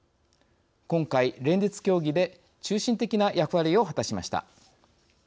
今回、連立協議で中心的な役割を果たしました。